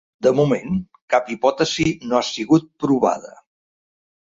De moment, cap hipòtesi no ha sigut provada.